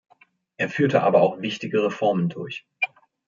Er führte aber auch wichtige Reformen durch.